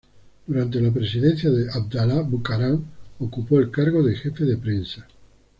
Durante la presidencia de Abdalá Bucaram, ocupó el cargo de jefe de prensa.